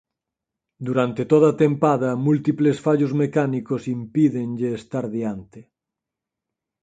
Durante toda a tempada múltiples fallos mecánicos impídenlle estar diante.